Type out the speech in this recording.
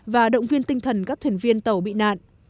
và động viên tinh thần các thuyền viên tàu bị nạn